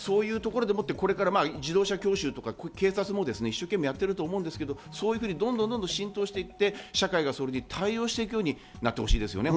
自動車教習とか警察も一生懸命やってると思うんですけど、そういうふうにどんどん浸透していって社会が対応していくようになってほしいですね。